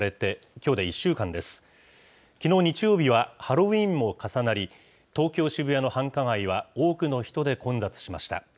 きのう日曜日はハロウィーンも重なり、東京・渋谷の繁華街は、多くの人で混雑しました。